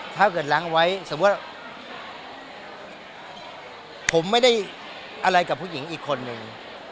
ถ้าเกิดล้างไว้สมมุติว่าผมไม่ได้อะไรกับผู้หญิงอีกคนนึง